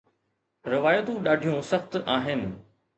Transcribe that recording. روايتون ڏاڍيون سخت آهن